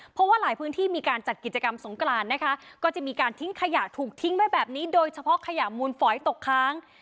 เพราะว่าหลายพื้นที่มีการจัดกิจกรรมสงกรานนะคะก็จะมีการทิ้งขยะถูกทิ้งไว้แบบนี้โดยเฉพาะขยะมูลฝอยตกค้าง